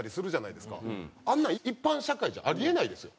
あんなの一般社会じゃあり得ないですよ。